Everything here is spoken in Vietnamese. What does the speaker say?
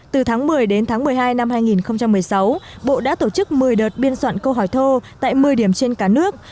từ tháng một mươi đến tháng một mươi hai năm hai nghìn một mươi sáu bộ đã tổ chức một mươi đợt biên soạn câu hỏi thô tại một mươi điểm trên cả nước